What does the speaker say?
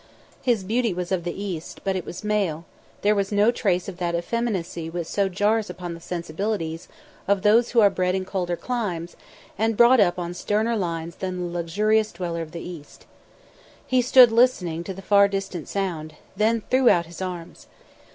His beauty was of the East, but it was male; there was no trace of that effeminacy which so jars upon the sensibilities of those who are bred in colder climes and brought up on sterner lines than the luxurious dweller of the East. He stood listening to the far distant sound, then threw out his arms.